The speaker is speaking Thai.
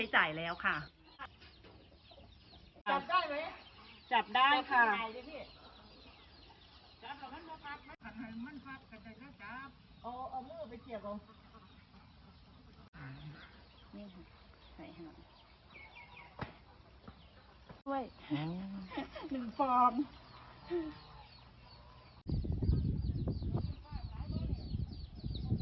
หนึ่งฟอง